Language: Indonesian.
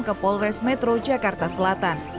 ke polres metro jakarta selatan